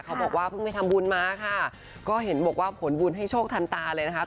เขาบอกว่าเพิ่งไปทำบุญมาค่ะก็เห็นบอกว่าผลบุญให้โชคทันตาเลยนะคะ